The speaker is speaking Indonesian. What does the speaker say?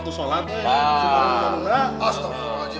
abah sudah selesai